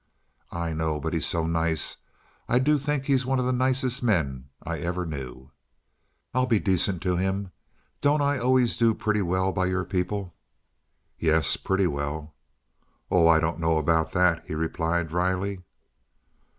"I know; but he's so nice. I do think he's one of the nicest men I ever knew." "I'll be decent to him. Don't I always do pretty well by your people?" "Yes, pretty well." "Oh, I don't know about that," he replied, dryly.